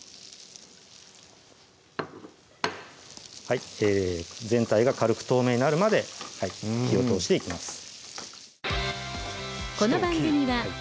はい全体が軽く透明になるまで火を通していきます